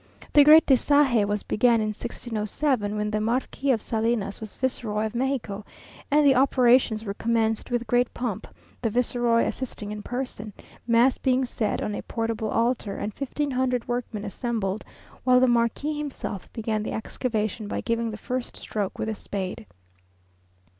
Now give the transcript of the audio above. The great Desague was begun in 1607, when the Marquis of Salinas was viceroy of Mexico; and the operations were commenced with great pomp, the viceroy assisting in person, mass being said on a portable altar, and fifteen hundred workmen assembled, while the marquis himself began the excavation by giving the first stroke with a spade.